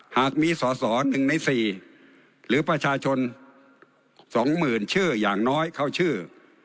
หากมีสอสอนึงในสี่หรือประชาชนสองหมื่นชื่ออย่างน้อยเข้าชื่อ